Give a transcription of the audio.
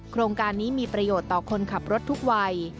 โครงการนี้มีประโยชน์ต่อคนขับรถทุกวัย